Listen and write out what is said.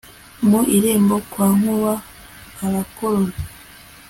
mu irembo kwa Nkuba Arakorora